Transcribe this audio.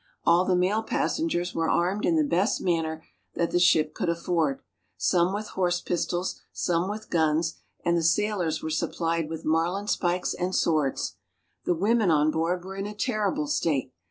All the male passengers were armed in the best manner that the ship could afford, some with horse pistols, some with guns, and the sailors were supplied with marlinspikes and swords. The women on board were in a terrible state.